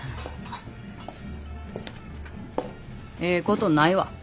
ええことないわ。